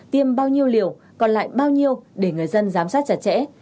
tiêm bao nhiêu liều còn lại bao nhiêu để người dân giám sát chặt chẽ